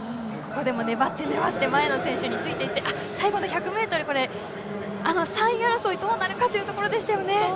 粘って、粘ってついていって、最後の１００ｍは３位争い、どうなるかというところでしたよね。